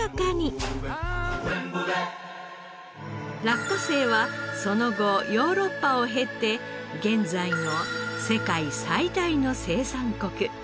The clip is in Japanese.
落花生はその後ヨーロッパを経て現在の世界最大の生産国中国へ。